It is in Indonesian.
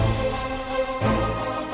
aku akan menangkan gusti ratu